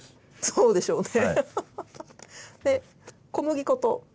そうでしょうね。